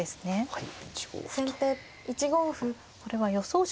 はい。